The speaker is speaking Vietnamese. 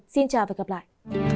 xin chào và hẹn gặp lại